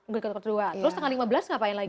gladi kotor kedua terus tanggal lima belas ngapain lagi